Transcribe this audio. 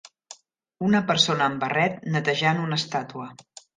Una persona amb barret netejant una estàtua.